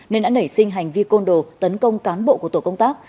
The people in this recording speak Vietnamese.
nên đã nảy sinh hành vi côn đồ tấn công cán bộ của tổ công tác